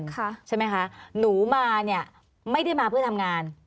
ใช่ไหมคะหนูมาเนี่ยไม่ได้มาเพื่อทำงาน